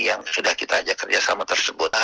yang sudah kita ajak kerjasama tersebut